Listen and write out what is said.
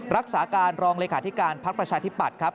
รักษาการรองรายการที่การพักประชาธิบัติครับ